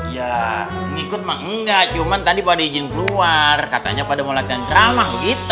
ya ngikut mah enggak cuman tadi pada izin keluar katanya pada mau latihan ceramah begitu